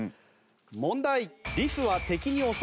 問題。